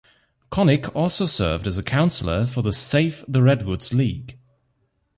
Connick also served as a Counselor for the Save the Redwoods League.